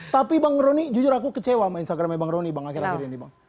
tapi bang rony jujur aku kecewa sama instagramnya bang rony bang akhir akhir ini bang